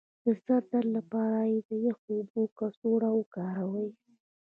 د سر د درد لپاره د یخو اوبو کڅوړه وکاروئ